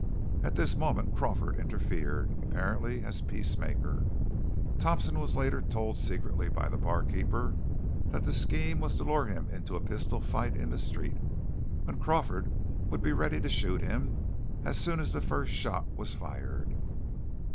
At this moment Crawford interfered, apparently as peacemaker. Thompson was later told secretly by the barkeeper that the scheme was to lure him into a pistol fight in the street, when Crawford would be ready to shoot him as soon as the first shot was fired.